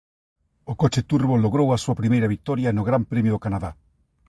O coche turbo logrou a súa primeira vitoria no Gran Premio do Canadá.